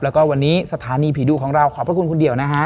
แล้วก็วันนี้สถานีผีดุของเราขอบพระคุณคุณเดี่ยวนะฮะ